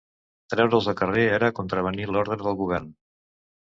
Treure'ls al carrer era contravenir l'ordre del Govern